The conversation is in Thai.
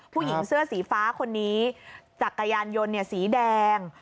ผู้หญิงเสื้อสีฟ้าคนนี้จักรยานยนต์สีแดง